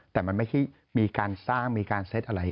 แต่มันไม่ใช่มีการสร้างมีการเซ็ตอะไร